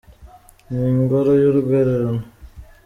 Ni ingoro y’urwererane